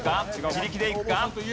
自力でいくか？